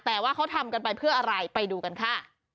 แต่ว่าเขาทำกันไปเพื่ออะไรไปดูกันค่ะ